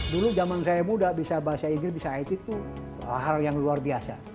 dulu zaman saya muda bisa bahasa inggris bisa it itu hal yang luar biasa